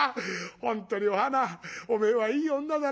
本当にお花おめえはいい女だな」。